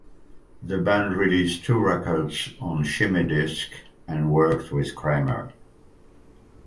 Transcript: The band released two records on Shimmy Disc and worked with Kramer.